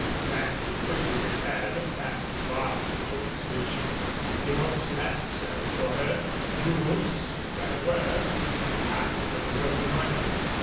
Then he quickly prepared a package of articles which would be most necessary for her. Jewels there were and a packet of his own money.